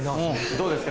どうですか？